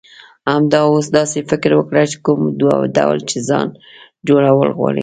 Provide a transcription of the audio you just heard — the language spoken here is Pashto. همدا اوس داسی فکر وکړه، کوم ډول چی ځان جوړول غواړی.